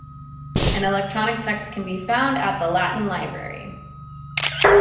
An electronic text can be found at the Latin Library.